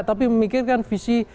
tapi memikirkan visi